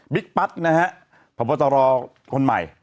บิ๊กปั๊ตนะครับพบัตรรอคนใหม่